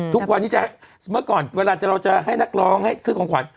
ทุกวันนี้จะเมื่อก่อนเวลาเราจะให้นักร้องให้ซื้อของขวัญ